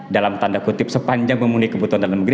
dalam tanda kutip sepanjang memenuhi kebutuhan dalam negeri